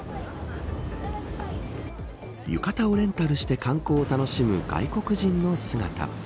浴衣をレンタルして観光を楽しむ外国人の姿。